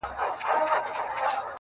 څارنوال چي د قاضي دې کار ته ګوري,